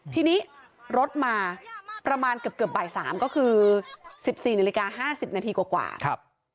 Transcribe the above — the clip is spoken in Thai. ทีนี้รถมาประมาณเกือบบ่าย๓ก็คือ๑๔นาฬิกา๕๐นาทีกว่าครับ